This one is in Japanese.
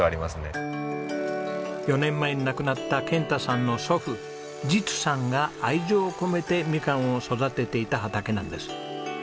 ４年前に亡くなった健太さんの祖父実さんが愛情を込めてみかんを育てていた畑なんです。